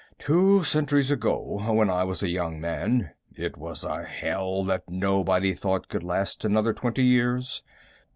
"Two centuries ago, when I was a young man, it was a hell that nobody thought could last another twenty years.